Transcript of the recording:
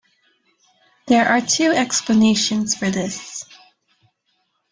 There are two explanations for this.